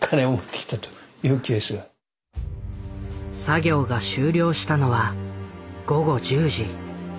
作業が終了したのは午後１０時。